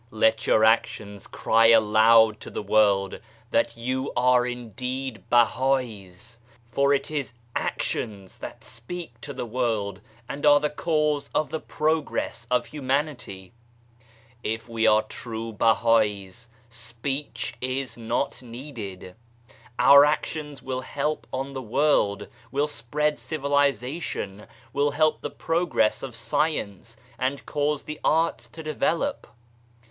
Let your actions cry aloud to the world that you are MEANING OF BAPTISM 73 indeed Bahai's, for it is actions that speak to the world and are the cause of the progress of humanity. If we are true Bahals speech is not needed. Our actions will help on the world, will spread civilization, will help the progress of science, and cause the arts to develop.